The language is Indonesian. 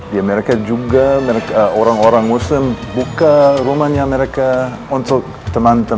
ya mereka juga mereka orang orang muslim buka rumahnya mereka untuk teman teman dan dan orang yang